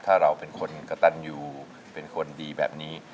ถ้าเราเป็นคนกระตันอยู่เป็นคนดีแบบนี้